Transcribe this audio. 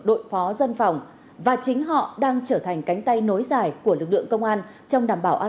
đội phó dân phòng và chính họ đang trở thành cánh tay nối dài của lực lượng công an trong đảm bảo an